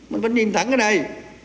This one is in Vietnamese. mình vẫn nhìn thẳng ở đây